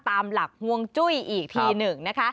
ตามหลักฮวงจุ้ยอีกทีหนึ่งนะคะ